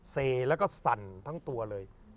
เซแล้วก็สั่นทั้งตัวเลย